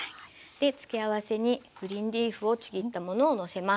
で付け合わせにグリーンリーフをちぎったものをのせます。